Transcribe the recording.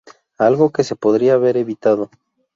Algo que se podría haber evitado.